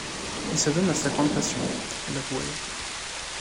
Il s'adonne à sa grande passion, la voile.